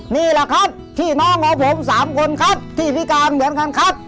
นี่แหละครับพี่น้องของผม๓คนครับที่พิการเหมือนกันครับ